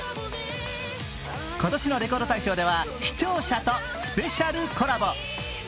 今年のレコード大賞では視聴者とスペシャルコラボ。